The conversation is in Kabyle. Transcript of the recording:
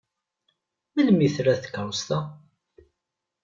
Melmi trad tkeṛṛust-a?